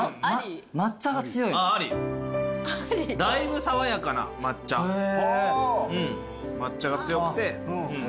だいぶ爽やかな抹茶。抹茶が強くて甘い。